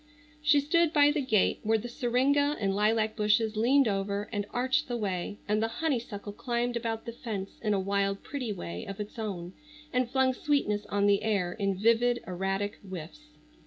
She stood by the gate where the syringa and lilac bushes leaned over and arched the way, and the honeysuckle climbed about the fence in a wild pretty way of its own and flung sweetness on the air in vivid, erratic whiffs.